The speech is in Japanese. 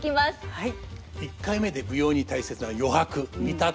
はい。